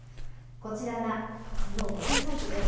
こちらがそのウェブサイトです。